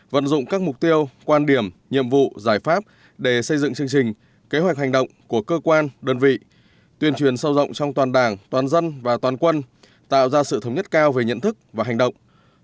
vận dụng các mục tiêu quan điểm nhiệm vụ giải pháp để xây dựng chương trình kế hoạch hành động của cơ quan đơn vị tuyên truyền sâu rộng trong toàn đảng toàn dân và toàn quân tạo ra sự thống nhất cao về nhận thức và hành động